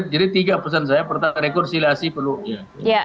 jadi tiga pesan saya pertama rekonsiliasi pull up nya